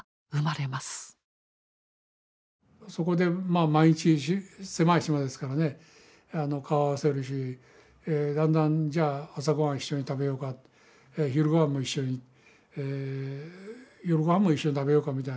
そこで毎日狭い島ですからね顔を合わせるしだんだんじゃあ朝ご飯一緒に食べようか昼ご飯も一緒に夜ご飯も一緒に食べようかみたいに。